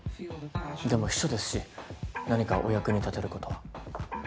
でも秘書ですし何かお役に立てることは？